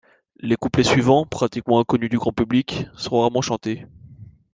Les couplets suivants, pratiquement inconnus du grand public, sont rarement chantés.